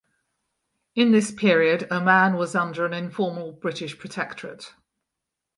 In this period Oman was under an informal British protectorate.